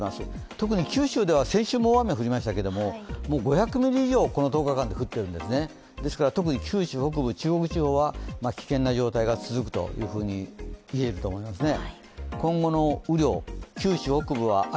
特に九州では先週も大雨が降りましたけれども、５００ミリ以上、この１０日間で降っているんです特に九州北部、中国地方は危険な状態が続くと言えると思いますね。